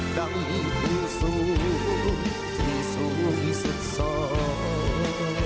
ดังที่สูงที่สวยสุดสอน